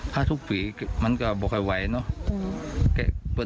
ถ้าทุกปีมันก็บอกไว้เหรอ